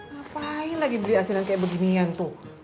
ngapain lagi beli hasilnya kayak beginian tuh